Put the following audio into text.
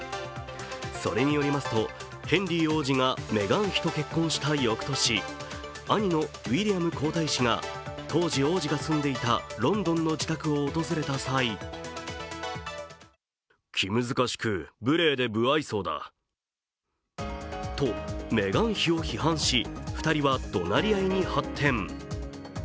それによりますと、ヘンリー王子がメガン妃と結婚した翌年、兄のウィリアム皇太子が当時住んでいたロンドンの自宅を訪れた際と、メガン妃を批判し２人はどなり合いに発展。